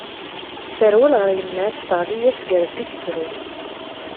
Terwel ɣer yemma-s teɣli-as deg yirebbi tettru.